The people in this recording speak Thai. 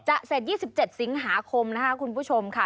จัด๒๗สิงหาคมคุณผู้ชมค่ะ